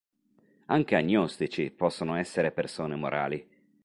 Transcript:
Anche agnostici possono essere persone morali.